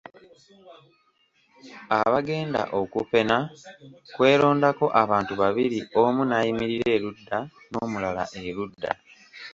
Abagenda okupena kwerondako abantu babiri omu n'ayimirira erudda n'omulala erudda.